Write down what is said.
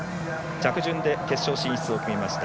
着順で決勝進出を決めました。